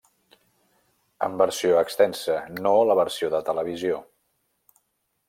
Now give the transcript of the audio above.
En versió extensa, no la versió de televisió.